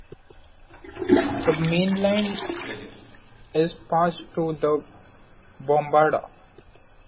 The main line is passed through the bombarda.